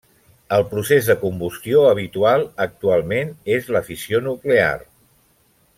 El procés de combustió habitual actualment és la fissió nuclear.